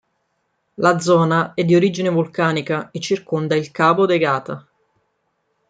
La zona è di origine vulcanica e circonda il Cabo de Gata.